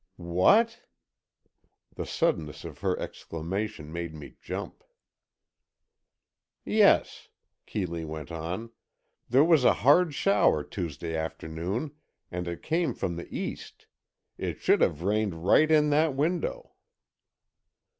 "What?" the suddenness of her exclamation made me jump. "Yes," Keeley went on, "there was a hard shower Tuesday afternoon, and it came from the east. It should have rained right in that window."